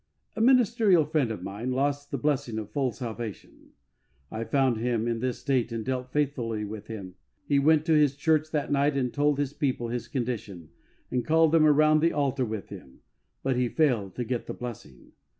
A ministerial friend of mine lost the blessing of full salvation. I found him in this state and dealt faithfully with him. He went to his church that night, and told his people his condition, and called them around the altar with him ; but he failed to get the blessing.